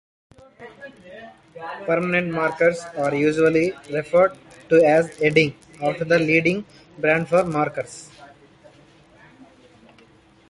Permanent markers are usually referred to as "Edding" after the leading brand for markers.